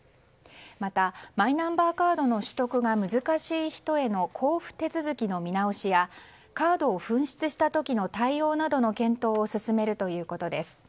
また、マイナンバーカードの取得が難しい人への交付手続きの見直しやカードを紛失した時の対応などの検討を進めるということです。